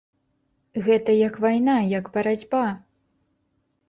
Гэта як вайна, як барацьба.